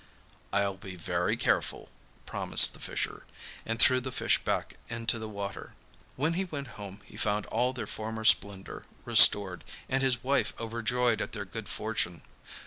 'I'll be very careful,' promised the fisher, and threw the fish back into the water. When he went home he found all their former splendour restored, and his wife overjoyed at their good fortune.